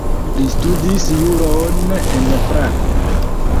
Li studis juron en Prago.